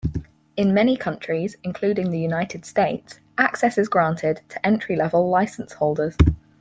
In many countries, including the United States, access is granted to entry-level license holders.